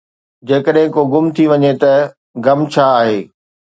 جيڪڏهن ڪو گم ٿي وڃي ته غم ڇا آهي؟